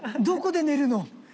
どこで寝るの？